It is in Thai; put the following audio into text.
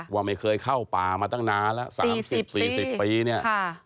ว่าไม่เคยเข้าป่ามาตั้งนานแล้ว๓๐๔๐ปีเนี่ย